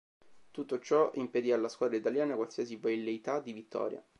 Tutto ciò impedì alla squadra italiana qualsiasi velleità di vittoria.